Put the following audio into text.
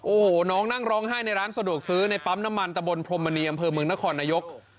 โอ้โหน้องนั่งร้องไห้ในร้านสะดวกซื้อในปั๊มน้ำมันตะบนพรมมณีอำเภอเมืองนครนายก